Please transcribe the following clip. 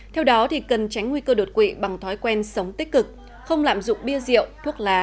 theo đó cần tránh nguy cơ đột quỵ bằng thói quen sống tích cực không lạm dụng bia rượu thuốc lá